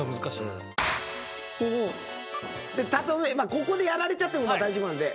ここでやられちゃっても大丈夫なので。